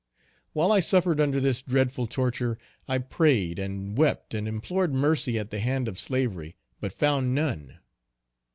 While I suffered under this dreadful torture, I prayed, and wept, and implored mercy at the hand of slavery, but found none.